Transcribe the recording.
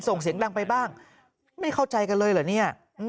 ส่งเสียงดังไปบ้างไม่เข้าใจกันเลยเหรอเนี่ย